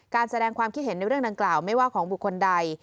การแสดงความคิดเห็นในเรื่องดังกล่าวไม่ว่าของบุคคลใด